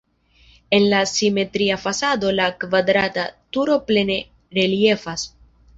En la simetria fasado la kvadrata turo plene reliefas.